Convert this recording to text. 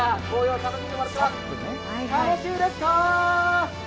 楽しいですか？